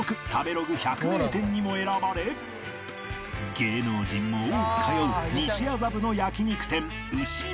芸能人も多く通う西麻布の焼肉店うし松